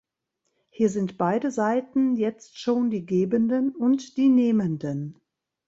Hier sind beide Seiten jetzt schon die Gebenden und die Nehmenden.